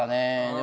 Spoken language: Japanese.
で